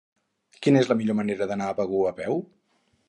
Quina és la millor manera d'anar a Begur a peu?